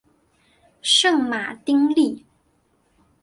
圣马丁利。